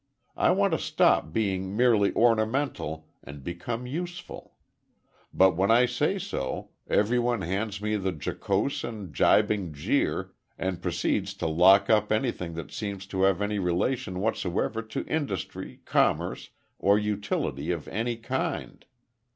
I want to stop being merely ornamental and become useful; but when I say so, everyone hands me the jocose and jibing jeer and proceeds to lock up anything that seems to have any relation whatsoever to industry, commerce, or utility of any kind.